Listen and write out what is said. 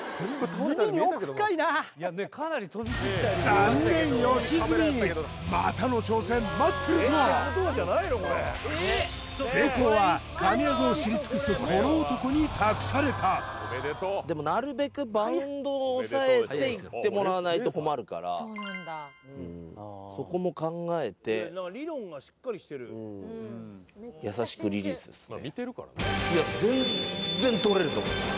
残念良純またの挑戦待ってるぞ成功はに託されたでもなるべくバウンドを抑えていってもらわないと困るからそこも考えて優しくリリースですね